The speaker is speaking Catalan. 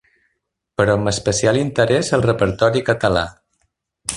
Però amb especial interès al repertori català.